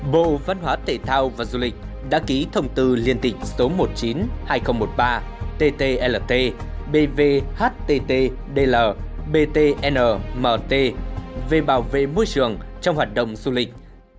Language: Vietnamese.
bộ văn hóa tể thao và du lịch đã ký thông tư liên tỉnh số một mươi chín hai nghìn một mươi ba ttlt bvhtt dl btn mt về bảo vệ môi trường trong hoạt động du lịch